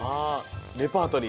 レパートリー